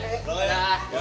yuk duluan ya semua